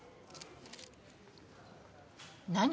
何？